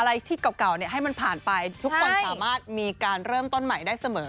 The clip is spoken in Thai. อะไรที่เก่าให้มันผ่านไปทุกคนสามารถมีการเริ่มต้นใหม่ได้เสมอ